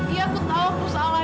iya aku tau aku salah